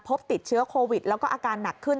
พบติดเชื้อโควิดแล้วก็อาการหนักขึ้น